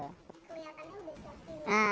kelihatan itu berapa